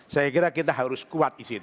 saya kira kita harus kuat di situ